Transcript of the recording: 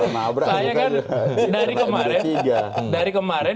saya kan dari kemarin